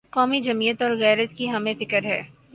قومی حمیت اور غیرت کی ہمیں فکر ہے۔